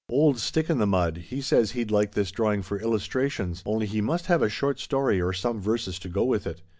"Old ' Stick in the Mud' he says he'd like this drawing for Illustrations, only he must have a short story or some verses to go with it.